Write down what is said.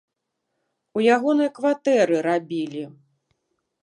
У ягонай кватэры рабілі.